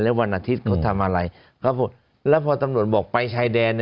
แล้ววันอาทิตย์เขาทำอะไรครับผมแล้วพอตำรวจบอกไปชายแดน